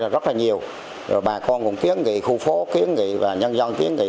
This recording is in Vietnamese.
rồi bà con cũng kiến nghị khu phố kiến nghị và nhân dân kiến nghị